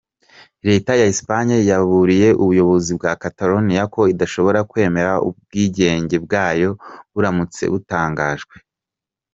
Leta ya Espagne yaburiye ubuyobozi bwa Catalonia ko idashobora kwemera ubwigenge bwayo buramutse butangajwe.